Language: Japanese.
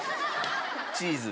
チーズ。